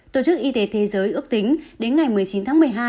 tổ chức y tế thế giới ước tính đến ngày một mươi chín tháng một mươi hai